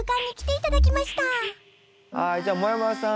はいじゃあもやもやさん